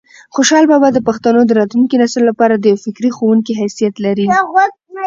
خوشحال بابا د پښتنو د راتلونکي نسل لپاره د یو فکري ښوونکي حیثیت لري.